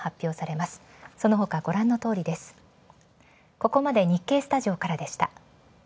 ここまで日経スタジオからでした。